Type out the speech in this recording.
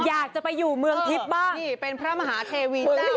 อยากจะไปอยู่เมืองทิพย์บ้างนี่เป็นพระมหาเทวีเจ้า